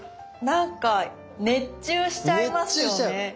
なんか熱中しちゃいますよね。